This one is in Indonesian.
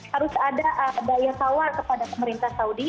harus ada daya tawar kepada pemerintah saudi